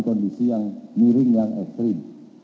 kondisi yang miring yang ekstrim